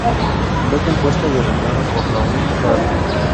Fue compuesta y arreglada por Rahul Raj.